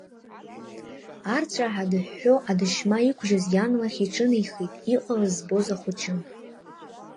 Арҵәааҳәа дыҳәҳәо адашьма иқәжьыз иан лахь иҿынеихеит, иҟалаз збоз ахәыҷы.